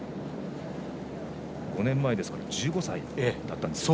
５年前ですから１５歳だったんですね。